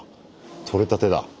取れたてだ。